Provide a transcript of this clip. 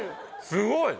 すごい！